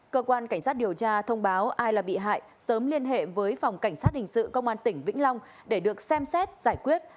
cơ quan cảnh sát điều tra thông báo ai là bị hại sớm liên hệ với phòng cảnh sát hình sự công an tỉnh vĩnh long để được xem xét giải quyết